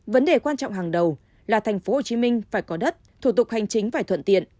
vấn đề quan trọng hàng đầu là tp hcm phải có đất thủ tục hành chính phải thuận tiện